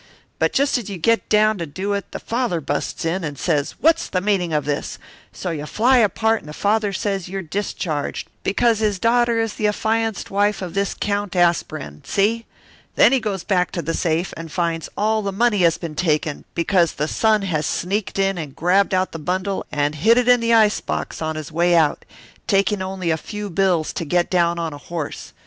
But just as you get down to it the father busts in and says what's the meaning of this, so you fly apart and the father says you're discharged, because his daughter is the affianced wife of this Count Aspirin, see? Then he goes back to the safe and finds all the money has been taken, because the son has sneaked in and grabbed out the bundle and hid it in the ice box on his way out, taking only a few bills to get down on a horse.